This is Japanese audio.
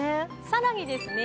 さらにですね